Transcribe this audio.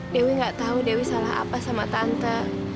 dewi gak tahu dewi salah apa sama tante